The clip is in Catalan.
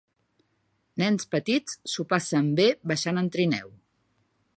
Nens petits s'ho passen bé baixant en trineu